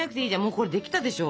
もうこれできたでしょ。